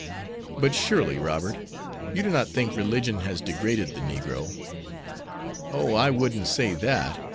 "But, surely, Robert, you do not think religion has degraded the negro?" "Oh, I wouldn't say that.